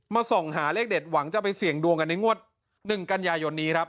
ส่องหาเลขเด็ดหวังจะไปเสี่ยงดวงกันในงวด๑กันยายนนี้ครับ